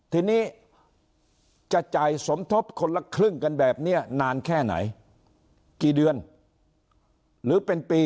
ทีนี้จะจ่ายสมทบคนละครึ่งกันแบบนี้นานแค่ไหนกี่เดือนหรือเป็นปี